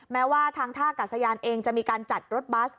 แม้ว่าทางท่ากัดสยานเองจะมีการจัดรถบัส